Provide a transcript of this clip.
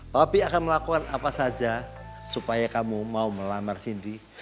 topi akan melakukan apa saja supaya kamu mau melamar sindi